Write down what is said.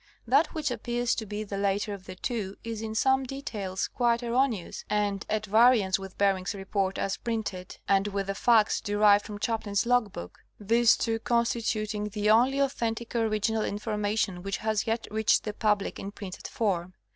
That which appears to be the later of the two is in some details quite erroneous and at variance with Bering's report as printed and with the facts derived from Chaplin's logbook, these two consti tuting the only authentic original information which has yet reached the public in printed form.